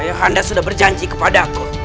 ayah anda sudah berjanji kepada aku